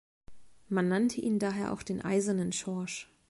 Man nannte ihn daher auch den "Eisernen Schorsch".